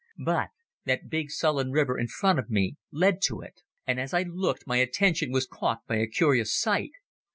But that big sullen river in front of me led to it. And as I looked my attention was caught by a curious sight.